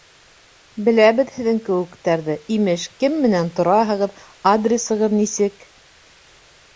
Беләбеҙ һеҙҙең кеүектәрҙе: имеш, кем менән тораһығыҙ, адресығыҙ нисек?